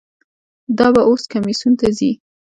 دا به اوس کمیسیون ته ځي.